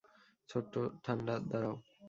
ছোট্ট থান্ডার, দাঁড়াও!